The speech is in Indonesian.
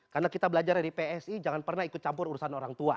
karena kita belajar dari psi jangan pernah ikut campur urusan orang tua